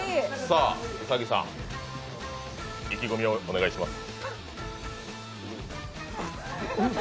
兎さん、意気込みをお願いします。